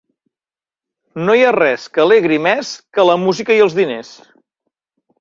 No hi ha res que alegri més, que la música i els diners.